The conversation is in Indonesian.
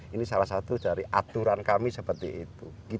ini salah satu dari aturan kami seperti itu